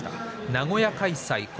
名古屋開催。